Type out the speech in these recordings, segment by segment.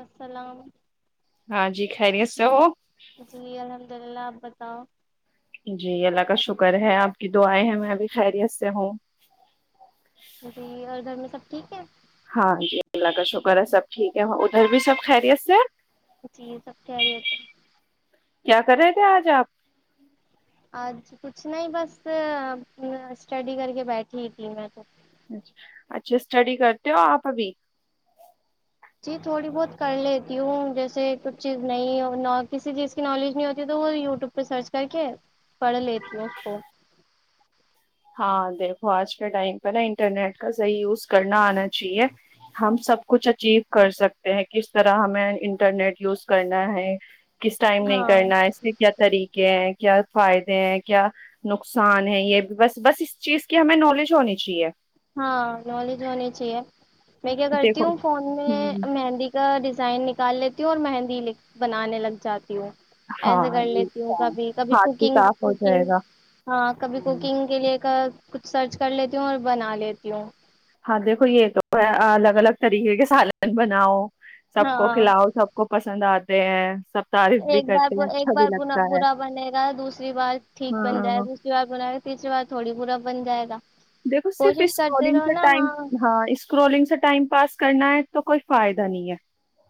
السلام ہاں جی خہریییا س س جی اللہ کا شکر ہے آپ کی دو آئے ہیں میں ابھی خیریت سے ہوں جی اور گھر میں سب ٹھیک ہے ہاں جی اللہ کا شکر ہے سب ٹھیک ہے ادھر بھی سب خیریت سے جی یہ سب کہہ رہی تھ کیا کر رہے تھے آج آپ آج کچھ نہیں بس اسٹڈی کر کے بیٹھی تھی میں تو اچ اچھا اسٹڈی کرتے ہو آپ ابھی جی تھوڑی بہت کر لیتی ہوں جیسے کچھ چیز نہیں کسی چیز کی نالج نہیں ہوتی تو وہ یوٹیوب پہ سرچ کر کے پڑھ لیتی ہوں اس کو ہاں دیکھو آج کے ٹائم پہ نا انٹرنیٹ کا صحیح یوز کرنا آنا چاہیے ہم سب کچھ اچیو کر سکتے ہیں کس طرح ہمیں انٹرنیٹ یوز کرنا ہے کس ٹائم نہیں ہاں کرنا ہے اس نے کیا طریقہ کیا ہے کیا فائدے ہیں کیا نقصان ہے یہ بھی بس بس اس چیز کی ہمیں نالج ہونی چاہیے ہاں نالج ہونی چاہیے میں کیا کرتی ہوں فون میں مہندی کا ڈیزائن نکال لیتی ہوں اور مہندی بنانے لگ جاتی ہوں ایسے ہاں کر یہ لیتی ہوں ہاں کبھی کبھی ہاتھ بھی کوکنگ صاف ہو جائے کوکنگ گا ہاں کبھی ہم، کوکنگ کے لیے کا کچھ سرچ کر لیتی ہوں اور بنا لیتی ہوں ہاں دیکھو یہ تو ہے الگ الگ طریقے کے سالن بناؤ سب کو ہاں کھلاؤ سب کو پس پسند آتے ہیں سب تعریف بھی ایک بار کرتے ہیں ایک اچھا بھی بار لگتا ہے با بنے گا دوسری بار ٹھیک بن جائے ہاں دوسری بار بنائے گا تیسری بار تھوڑی با بن جائے گا دیکھو صرف کوشش کرتے اسکرالنگ رہو سے نا ٹائم ہاں اسکرالنگ سے ٹائم پاس کرنا ہے تو کوئی فائدہ نہیں ہے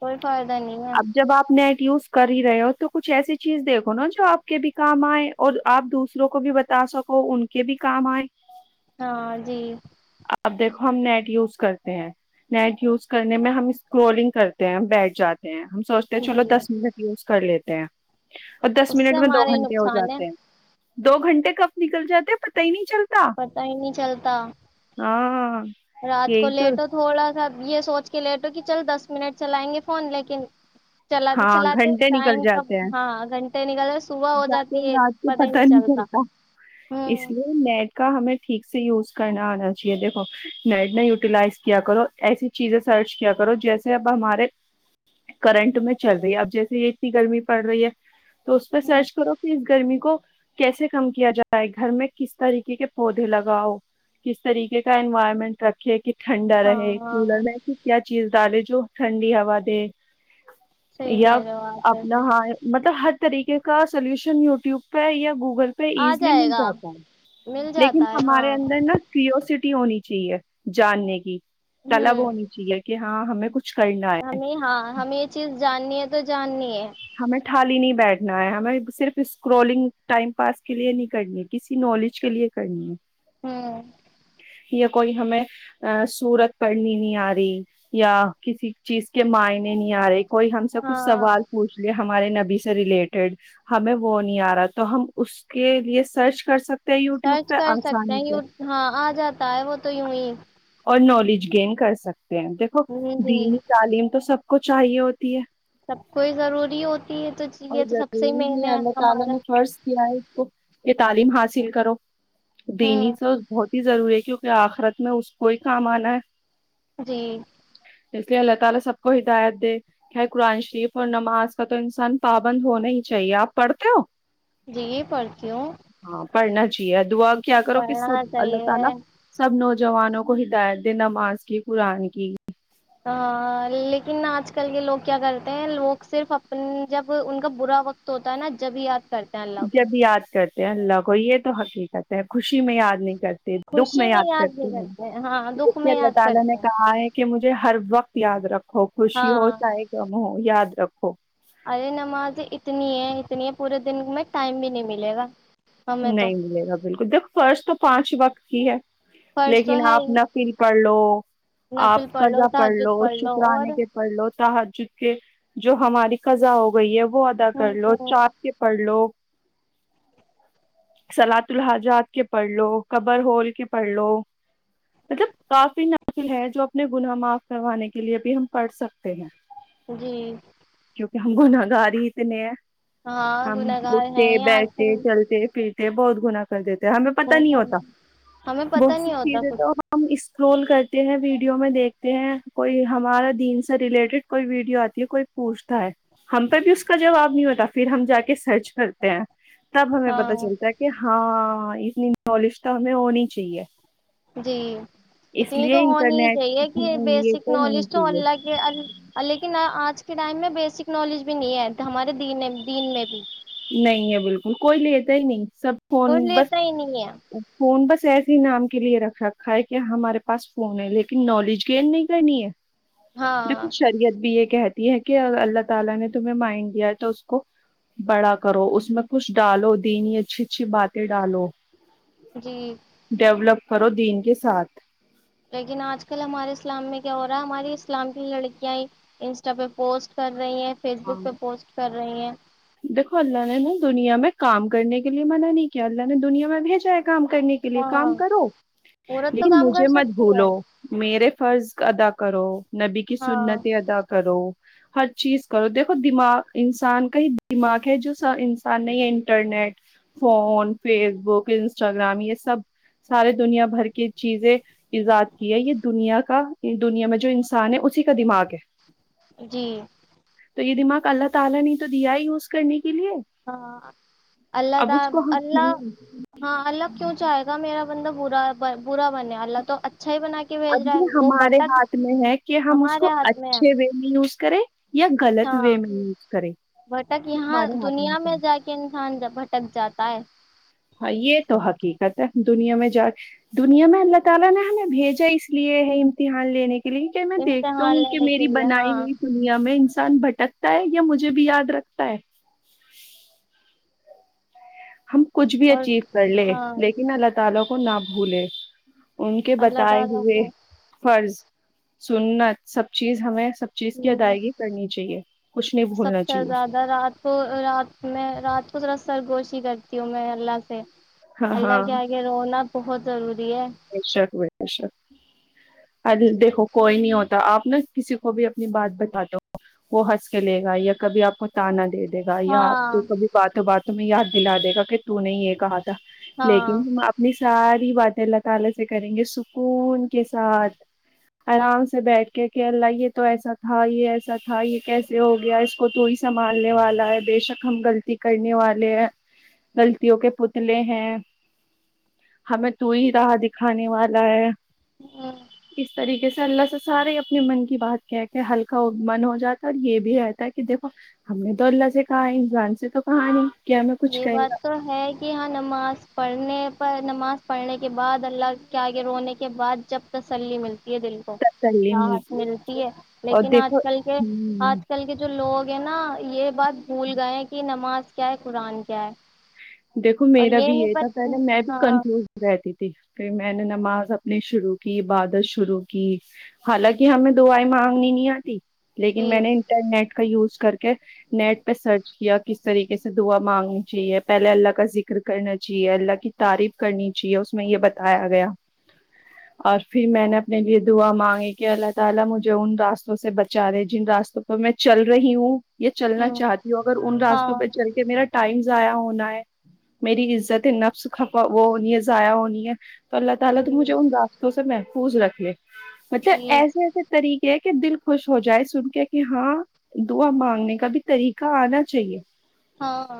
کوئی فائدہ نہیں ہے اب جب آپ نیٹ یوز کر ہی رہے ہو تو کچھ ایسی چیز دیکھو نا جو آپ کے بھی کام آئے اور آپ دوسروں کو بھی بتا سکو ان کے بھی کام آئے ہاں جی اب دیکھو ہم نیٹ یوز کرتے ہیں نیٹ یوز کرنے میں ہم اسکرولنگ کرتے ہیں بیٹھ جاتے ہیں ہم سوچتے چلو جی دس منٹ یوز کر لیتے ہیں اور دس اس سے منٹ میں دو ہمارا ہی گھنٹے ہو نقصان ہے جاتے ہیں دو گھنٹے کب نکل جاتے پتا ہی نہیں چلتا پتا ہی نہیں چلتا ہاں رات کو یہی تو لیٹو تھوڑا سا یہ سوچ کے لیٹو کہ چل دس منٹ چلائیں گے فون لیکن چلاتے ہاں چلاتے گھنٹے نکل ٹائم کب جاتے ہیں ہاں گھنٹے نکل رہے صبح ہو جاتے ہیں جاتی ہے رات کے پتا ہی پتہ نہیں چلتا ہوں اس لیے نیٹ کا ہمیں ٹھیک سے یوز کرنا آنا چاہیے دیکھو نیٹ نے یوٹیلائز کیا کرو ایسی چیزیں سرچ کیا کرو جیسے اب ہمارے کرنٹ میں چل رہی ہے اب جیسے یہ اتنی گرمی پڑ رہی ہے تو اس پہ ہ سرچ کرو پس گرمی کو کیسے کم کیا جائے گھر میں کس طریقے کے پودے لگاؤ کس طریقے کا انوائرمنٹ رکھے ک ٹھنڈا رہے کولر ہاں میں کیا چیز ڈالے جو ٹھنڈی ہوا دے صحیح یا کہہ اب رہے ہو آپ اپنا ویسے ہاں مطلب ہر طریقے کا سلوشن یو ٹیوب پہ یا گوگل پر آ ایزلی جائے مل گا جاتا ہے مل لیکن جاتا ہے ہمارے ہاں اندر نا کیوریاسٹی ہونی چاہیے جاننے کی طلب ہوں ہونی چاہیے کہ ہاں ہمیں کچھ کرنا ہے ہمیں ہاں ہمیں یہ چیز جاننی ہے تو جاننی ہے ہمیں ٹھالی نہیں بیٹھ کرنا ہے ہمیں صرف اسکرولنگ ٹائم پاس کے لیے نہیں کرنی ہے کسی نالج کے لیے کرنی ہے ہم یا کوئی ہمیں صورت پڑنی نہیں آ رہی یا کسی چیز کے معائنے نہیں آ رہے کوئی ہم سے کچھ سوال ہاں ہمارے نبی سے ریلیٹڈ ہمیں وہ نہیں آ رہا تو ہم اس کے لیے سرچ کر سکتے ہیں یوٹیوب سرچ پہ کر سکتے آسانی ہیں سے ہاں آ جاتا ہے وہ تو یوں ہی اور نالج گین کر سک دیکھو ہ جی دینی تعلیم تو سب کو چاہیے ہوتی ہے سب کوئی ضروری ہوتا ہمارا [unintelligible] یہ تعلیم حاصل کرو دنی ہوں چ بہت [inaudible] ا ضروری ہے کیونکہ آخرت میں اس کو ہی کام آنا ہے جی [unintelligible] پابند ہونا ہی چاہیے آپ پڑھتے ہو جی پڑھتی ہوں پڑھنا چاہیے [unintelligible] کو ہدایت دے نماز کی قرآن کی ہ لیکن آج کل کے لوگ کیا کرتے ہیں لوگ صرف اپ جب ان کا برا وقت ہوتا ہے نا جب ہی آ جب یاد کرتے ہیں اللہ کو یہ تو حقیقت ہے خوشی میں یاد نہیں کرتے دکھ میں خوشی یاد نہیں کرتے ہ ہیں ہاں تو دکھ جسے میں اللہ یاد تعالی نے کرتے ہیں کہا ہے کہ مجھے ہر وقت یاد رکھو ہو خوشی ہاں ہوتائے گا م یاد رکھو ارے نماز اتنی ہے اتنی ہے پورے دن میں ٹائم بھی نہیں ملے گا ہمیں تو نہیں ملے گا بالکل دیکھ فرش تو پانچ وقت کی ہے فرض تو لیکن ہے آپ ہی نفل پڑھ لو آپ نفل قضا لو پڑھ لو تحجد اور شکرانے کے پڑھ لو تح چونکہ جو ہماری خزا ہو گئی ہے وہ ادا کر لو چا کے پڑھ لو سلاط الحاجات کے پڑھ لو قبر ہول کے پڑھ لو مطلب کافی نافل ہے جو اپنے گناہ معاف کروانے کے لیے بھی ہم پڑھ سکتے ہیں جی کیا ہم گنااہگاری اتنے ہاں ہم گناہ گار ہے اٹھتے یہاں بیٹھتے چلتے پھرتے یہ بہت گنا کر دیتے ہمیں پت نہیں بہت ہوتا ہمیں بہت پتہ سی نہیں ہوتا چیزیں تو کچھ ہم اسرول کرتے ہیں ویڈیو میں دیکھتے ہیں کوئی ہمارا دین سے ریلیٹیڈ کوئی ویڈیو آتی ہے کوئی پوچھتا ہے ہم پہ بھی اس کا جواب نہیں ہوتا پھر ہم جا کے سرچ کرتے ہیں تب ہمیں پت ہاں چلتا ہاں اتنی نالج تو ہمیں ہونی چاہیے جی اس اتنی تو لیے ہونی ہی انٹرنیٹ چاہیے کہ یہ بیسک ہونی نالج تو چاہیے اللہ کے لیکن آجل کائیم میں بیسک نالج بھی نہیں ہے ہمارے د دین میں بھی نہیں ہے بالکل کوئی لیتا ہی نہیں سب کوئی فون بس لیتا ہی نہیں ہے فون بس ایسی نام کے لیے رکھ رکھا ہے کہ ہمارے پاس فون ہے لیکن نالج گین نہیں کرنی ہے دیکھو ہاں شریعت بھی یہ کہتے اللہ تعالی نے تمہیں مائن دیا تو اس کو کرو اس میں کچھ ڈالو دینی اچھی اچھی باتیں ڈالو جی ف ودین کے ساتھ لیکن آج کل ہمارے اسلام میں کیا ہو رہا ہے ہماراری اسلام کی لڑکیاں انسٹا پہ پوسٹ کر رہی ہیں فیس ہاں بک پہ پوسٹ کر رہی ہیں دیکھو اللہ نے نا دنیا میں کام کرنے کے لیے منع نہیں کیا اللہ نے دنیا میں بھیجایا گ کام کرنے کے لیے ہاں کام کرو عورت تو لیکن کام کر مجھے مت سکتی ہے بھولو میرے فرض ادا کرو نبی کی سنتیں ہاں ادا کرو ہر چیز کرو دیکھو دماغ انسان کا ہی دماغ ہے جو س انسان نے یہ internet phone Facebook Instagram یہ سب سارے دنیا بھر کی چیزیں ایجاد کی ہے یہ دنیا کا دنیا میں جو انسان ہے اسی کا دماغ ہے جی بے دماغ اللہ تعالی نے تو دیا ہی یوز کرنی ہاں اللہ اب اس دال کو ہم اللہ ہاں اللہ کیوں جائے گا میرا بندہ برا برا بنے اللہ تو اچھا ہی بنا کے بھیج اب رہا ہے یہ وہ ہمارے بھٹک ہاتھ میں ہے کہ ہم اس ہمارے کو ہاتھ میں ہے. اچھے وے میں یوز کریں یا غلط وے ہاں میں یوز کریں بھٹک یہاں ہمارے ہاتھ دنیا ہوتا میں ہے جا کے انسان بھٹک جاتا پتا ہے اور یہ تو حقیقت ہے دنیا میں جا دنیا میں اللہ تعالی نے ہمیں بھیجا اس لیے ہے امتحان لینے لک میں دیکھتا امتحان ہوں کہ لینے کے میری لیے ہاں بنائی ہوئی دنیا میں انسان بھٹکتا ہے یا مجھے بھی یاد رکھتا ہے [unintelligible] کچھ بھی اور اچیو کر لے ہاں لیکن اللہ تعالی کو نہ بھولے ان کے اللہ بتائے تعالی ہوئے کو فرض سننت سب چیز ہمیں سب چیز کی ادائیگی کرنی چاہیے کچھ نہیں سب بھولنا سے چاہیے زیادہ رات کو رات میں رات کو ذرا سرگوش ی کرتی ہوں میں اللہ سے اللہگ آگے روناات بہت سر بشک بھائی بشک دیکھو کوئی نہیں ہوتا آپ نا کسی کو بھی اپنی بات بتاتے ہو وہ ہنس کے لے گا یا کبھی آپ کو تانا دے د د گا یا آپ کو ہاں کبھی باتیں بات تمہیں یاد دلا د گا کہ تو نہیں یہ کہا لیکن ہاں اپنی ساری باتیں لگ تالی سے کریں گے سکون کے ساتھ آرام سے بیٹھ کے کہ اللہ یہ تو ایسا تھا یہ ایسا تھا یہ کیسے ہو گیا اس کو تو ہی سنبھالنے والا ہے بےشک ہم غلطی کرنے والے ہیں غلطوں کے پتلے ہیں ہمیں تو ہی چاہا دکھانے والا ہے ہ اس طریقے سے اللہ سے سارے اپنے من کی بات کہ کے ہلکا من ہو جاتا ہے اور یہ بھی رہتا ہے کہ دیکھو ہم نے تو اللہ سے کہا ہے انسان سے تو کہا نہیں کہ ہمیں کچھ یہ کہے بات گا تو ہے کہ ہاں نماز پڑھنے پر نماز پڑھنے کے بعد اللہ کے آگے رونے کے بعد جب تسلی ملتی یہ دل کو راحت ملتی ہے اور لیکن دیکھو آج کل کے ہوں آج کل کے جو لوگ ہیں نا یہ بعد بھول گئے کہ نماز کے کیا قرآن کیا ہے دیکھو اور میرا بھی نہیں یہ تھا پت پہلے میں بھی ہاں کنفیوز رہتی تھی پھر میں نے نماز اپ نے شروع کی بادت شروع کی حالانکہ ہمیں دعیں مانگنی نہیں آتی لیکن جی میں نے انٹرنیٹ کا یوز کر کے نیٹ پہ سرچ کیا کس طریقے سے دعا مانگنی چاہیے پہلے اللہ کا ذکر کرنا چاہیے اللہ کی تعریف کرنی چ جی اس میں یہ بتایا گیا اور پھر میں نے اپنے لیے دعا مانگی کہ اللہ تعالی مجھے ان راستوں سے بچا لے جن راستوں پر میں چل رہی ہوں یہ چلنا چاہتی ہوں اگر ان راستوں ہاں پہ چل کے میرا ٹائمز آایا ہونا میری عزت ہے نفس کھپا وہ ہونی ہے ضائع ہونی ہے تو اللہ تعالی ت مجھے جی اننا دو ہو سر میں خوش رکھے مطلب جی ایسے ایسے طریقے کیا کہ دل خوش ہو جائے سن کے کہ ہاں دعا مانگنے کا بھی طریقہ آنا چاہیے ہاں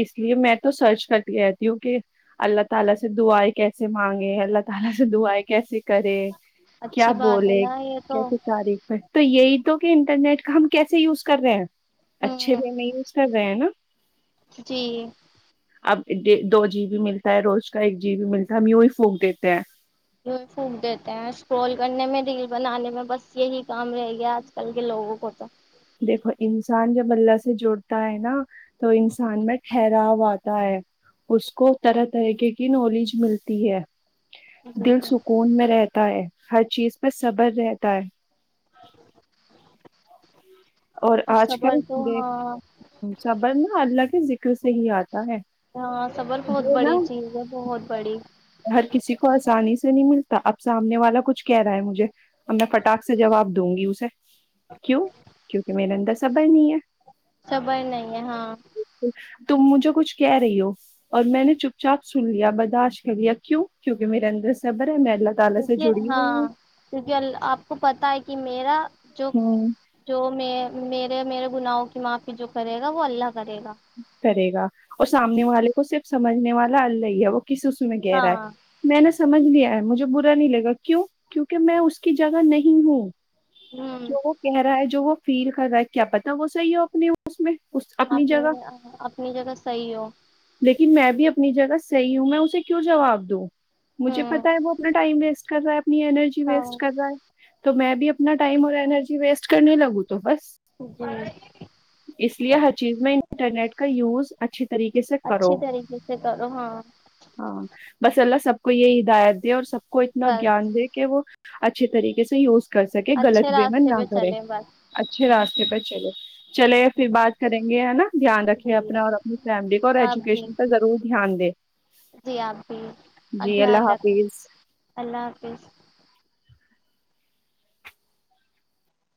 اسلیے مین تو تلاش کر دیا کیوں اللہ کا کیا اچھی بات ہے بولے نا یہ تو کیس تاریخ میں تو یہی تو کہ انٹرنیٹ کا ہم کیسے یوز کر رہے ہیں اچھے ہوں پ میں یوز کر رہے ہیں نا جی اب دو جی بی ملتا ہے روز کا ایک جی بی ملتا ہے ہم یوں ہی پھونک دیتے ہیں یوں پھونک دیتے ہیں اسکرول کرنے میں ریل بنانے میں بس یہی کام رہے گیا آج کل کے لوگوں کو تو دیکھو انسان جب اللہ سے جڑتا ہے نا تو انسان میں ٹھہراؤ آتا ہے اس کو طرح طرحق کی نالج ملتی ہے دل سکون میں رہتا ہے ہر چیز پر صبر رہتا ہے اور آج صبر کل تو ہاں صبر نا اللہ کے ذکر سے ہی آتا ہے ہاں صبر بہت یہ بڑی نا چیز ہے بہت بڑی ہر کسی کو آسانی سے نہیں ملتا اب سامنے والا کچھ کہہ رہا ہے مجھے ہم نے فٹااک سے جواب دوں گی اسے کیوں کیونکہ میرے اندر صبر نہیں ہے صبر نہیں ہے ہاں تم مجھے کچھ کہہ رہی ہو اور میں نے چپ چاپ سن لیا برداشت کر لیا کیوں کیونکہ میرے اندر سبر کیونکہ ہاں کیونکہ آپ کو پتا ہے کہ میں میرا جو ہوں جو میں م میرے گناہں کی معافی جو کرے گا وہ اللہ کرے گا کرے گا اور سامنے والے کو صرف سمجنے والا اللہ ہی ہے وہ کسیص میں ہاں گہرا ہے میں نے سمجھ لیا ہے مجھے برا نہیں لگا کیوں کیونکہ میں اس کی جگہ نہیں ہوں ہوں جو وہ کہہ رہا ہے جو وہ فیل کر رہا ہے کیا پتا وہ صحیح ہو اپنے اس میں اس اپنی آپ جگہ اپنی جگہ صحیح ہو لیکن میں بھی اپنی جگہ صحیح ہوں میں اسے کیوں جواب دووں مجھے ہوں پتہ ہے وہ اپنا ٹائم ویسٹ [unintelligible] ن اینرجی ویسٹ ہاں کر ہے تو میں بھی اپنا ٹائم اور ارجی ویسٹ کرنے لگوں تو بس جی اس لیے ہر چیز میں انٹرنیٹ کا یوز اچھے طریقے سے کرو اچھی طریقے سے کرو ہاں ہاں بس اللہ سب کو یہ ہدایت دے اور سب کو اتنا بس گان دے کہ وہ اچھے طریقے سے ی کر سکے غلط اچھے بیےمن راستے نہ پہ کرے چلے بس اچھے راستے یہ بت چلو چلے پھر بات کریں گے ہے نا دھیان رکھے جی اپنا اور اپنی فیملی کو اور آپ ایجو بھی شن کاضرور دھیان د جی آپ بھی دھیان اللہ رکھیں حافظ اللہ حافظ